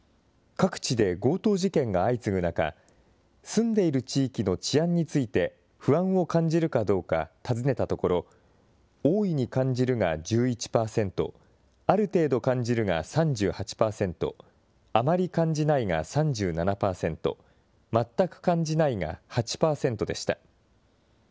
各地で強盗事件が相次ぐ中、住んでいる地域の治安について、不安を感じるかどうか尋ねたところ、大いに感じるが１１％、ある程度感じるが３８％、あまり感じないが３７％、全く感じないが８％でした。